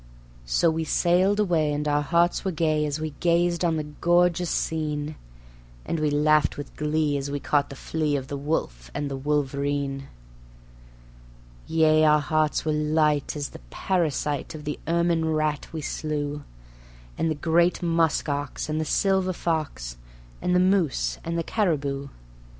So we sailed away and our hearts were gay as we gazed on the gorgeous scene; And we laughed with glee as we caught the flea of the wolf and the wolverine; Yea, our hearts were light as the parasite of the ermine rat we slew, And the great musk ox, and the silver fox, and the moose and the caribou.